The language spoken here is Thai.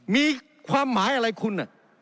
มีความหมายอะไรคุณ